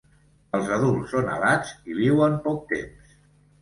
Els adults són alats i viuen poc temps.